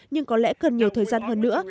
nhưng có lẽ cần nhiều thời gian hơn nữa